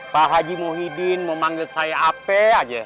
pak haji muhyiddin memanggil saya apa saja